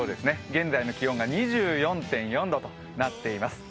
現在の気温が２４．４度となっています。